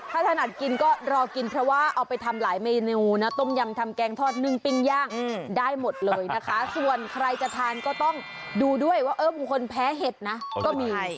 ถ้าถนัดกินก็รอกินเพราะว่าเอาไปทำหลายเมนูนะต้มยำทำแกงทอดนึ่งปิ้งย่างได้หมดเลยนะคะส่วนใครจะทานก็ต้องดูด้วยว่าเออบางคนแพ้เห็ดนะก็มี